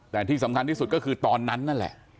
แต่ที่สำคัญที่สุดก็คือตอนนั้นนั่นแหละ